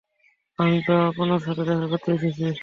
আমি তো আপনার সাথে দেখা করতে এসেছি।